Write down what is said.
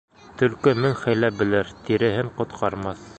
Төлкө мең хәйлә белер, тиреһен ҡотҡармаҫ.